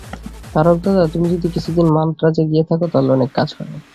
তারক-দা, তুমি যদি কিছুদিন মান্দ্রাজে গিয়ে থাক, তাহলে অনেক কাজ হয়।